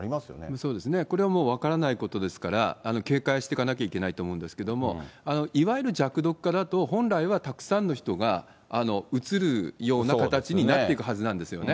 そうですね、これはもう分からないことですから、警戒していかなきゃいけないと思うんですけど、いわゆる弱毒化だと、本来はたくさんの人がうつるような形になっていくはずなんですよね。